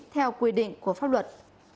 theo quy định của pháp luật